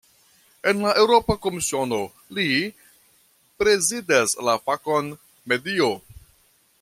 En la Eŭropa Komisiono li prezidas la fakon "medio".